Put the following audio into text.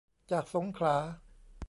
จากสงขลา